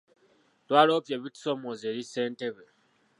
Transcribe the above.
Twaloopye ebitusoomooza eri ssentebe.